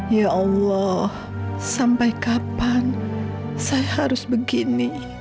ya allah sampai kapan saya harus begini